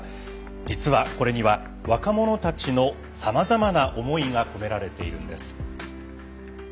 実は、これには若者たちのさまざまな思いが込められているんです。